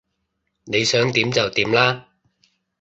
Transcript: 你想點就點啦